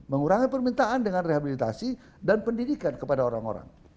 mengurangi permintaan dengan rehabilitasi dan pendidikan kepada orang orang